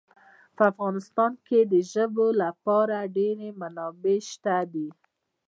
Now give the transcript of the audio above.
په افغانستان کې د ژبو لپاره ډېرې منابع شته دي.